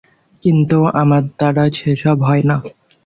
কিন্তু আমার দ্বারা সেসব হয় না।